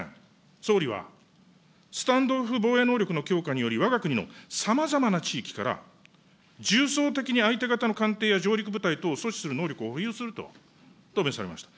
総理はスタンド・オフ防衛能力の強化により、わが国のさまざまな地域から重層的に相手方の艦艇や上陸部隊を阻止する能力を保有すると答弁されました。